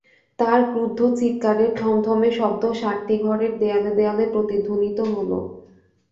তার ক্রুদ্ধ চিৎকারের থমথমে শব্দ সাতটি ঘরের দেয়ালে দেয়ালে প্রতিধ্বনিত হল।